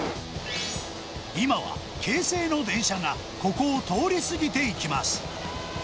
今は、京成の電車がここを通り過ぎていきます。